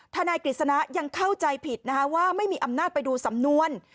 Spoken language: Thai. นายกฤษณะยังเข้าใจผิดนะคะว่าไม่มีอำนาจไปดูสำนวน